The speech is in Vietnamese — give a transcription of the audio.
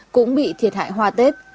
cũng bị thiệt hại hoa tết